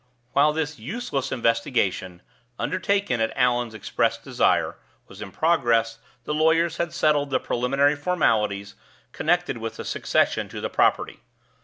While this useless investigation (undertaken at Allan's express desire) was in progress, the lawyers had settled the preliminary formalities connected with the succession to the property.